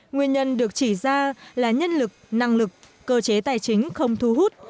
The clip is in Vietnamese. nguyên nhân được chỉ ra là nhân lực năng lực cơ chế tài chính không thu hút